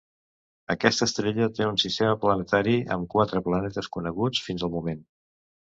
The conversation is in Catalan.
Aquesta estrella té un sistema planetari amb quatre planetes coneguts fins al moment.